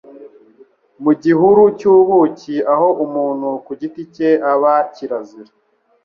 mu gihuru cy'ubuki aho umuntu ku giti cye aba kirazira